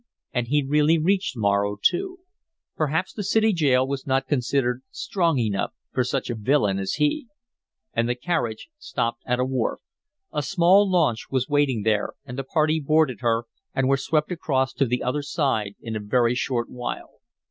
And he really reached Morro, too. Perhaps the city jail was not considered strong enough for such a villain as he. And the carriage stopped at a wharf. A small launch was waiting there, and the party boarded her and were swept across to the other side in a very short while.